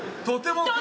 とても。